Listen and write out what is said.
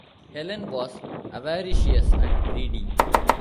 Helene was avaricious and greedy.